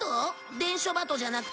伝書バトじゃなくて？